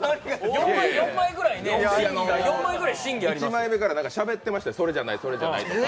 １枚目から何かしゃべってましたそれじゃないとかそれじゃないとか。